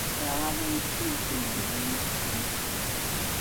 Iɣaḍ-iyi s tidet uydi-nni meskin.